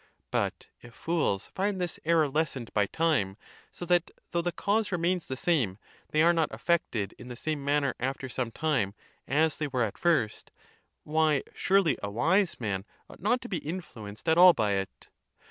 But if fools find this error lessened by time, so that, though the cause remains the same, they are not affected in the same manner, after some time, as they were at first, why, surely a wise man ought not to be influenced at all by it.